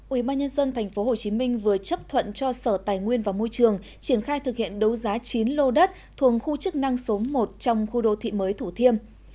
ubnd tp hcm vừa chấp thuận cho sở tài nguyên và môi trường triển khai thực hiện đấu giá chín lô đất thuồng khu chức năng số một trong khu đô thị mới thủ thiêm